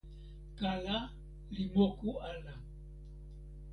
kala li moku ala.